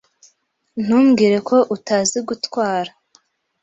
Ntumbwire ko utazi gutwara.